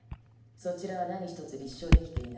そちらは何一つ立証できていない。